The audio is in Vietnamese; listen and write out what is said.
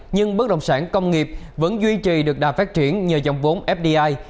nhưng bất động sản công nghiệp vẫn duy trì được đà phát triển nhờ dòng vốn fdi